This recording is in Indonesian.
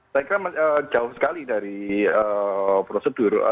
saya kira jauh sekali dari prosedur